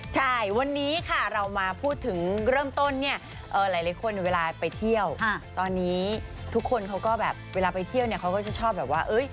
ใช่วันนี้ค่ะเรามาพูดถึงเริ่มต้นเนี่ยหลายคนเวลาไปเที่ยวตอนนี้ทุกคนเขาก็แบบเวลาไปเที่ยวเนี่ยเขาก็จะชอบแบบว่า